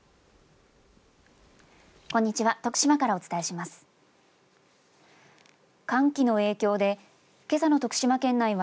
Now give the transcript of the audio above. こんにちは。